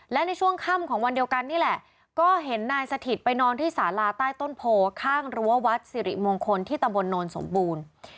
และในช่วงค่ำของวันเดียวกันนี่แหละก็เห็นนายสถิตไปนอนที่สาลาใต้ต้นโพข้างรั้ววัดสิริมงคลที่ตำบลโนนสมบูรณ์